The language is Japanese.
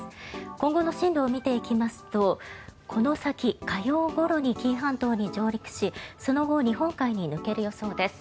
今後の進路を見ていきますとこの先、火曜ごろに紀伊半島に上陸しその後日本海に抜ける予想です。